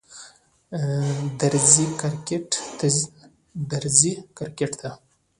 درځی کرکټ ته